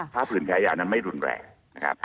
ถ้าผลิตแพ้ยานั้นไม่รุนแรก